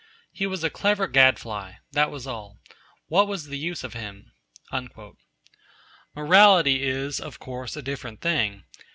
He was a clever gadfly, that was all. What was the use of him?' Morality is, of course, a different thing.